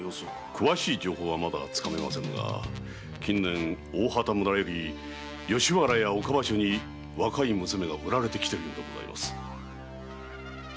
詳しい情報はまだ掴めませんが近年大畑村より吉原や岡場所に若い娘が売られてきているようです。